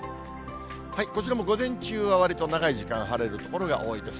こちらも午前中はわりと長い時間晴れる所が多いです。